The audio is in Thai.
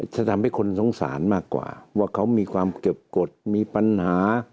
จะทำให้คนสงสารมากกว่าว่าเขามีความเก็บกฎมีปัญหา